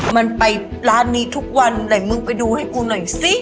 มันไปร้านนี้ทุกวันไหนมึงไปดูให้กูหน่อยสิ